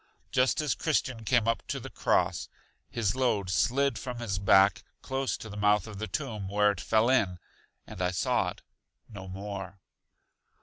Just as Christian came up to the cross, his load slid from his back, close to the mouth of the tomb, where it fell in, and I saw it no more.